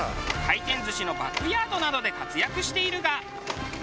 回転寿司のバックヤードなどで活躍しているが。